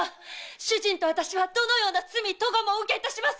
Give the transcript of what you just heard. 主人と私はどのような罪咎もお受けします！